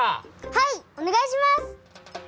はいおねがいします！